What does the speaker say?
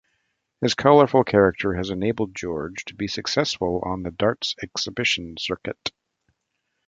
His colourful character has enabled George to be successful on the darts exhibition circuit.